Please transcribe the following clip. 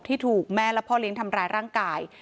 ที่ถูกแม่และพ่อเลี้ยงทำร้ายร่างกาย